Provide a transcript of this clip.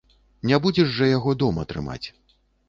Не будзеш жа яго дома трымаць!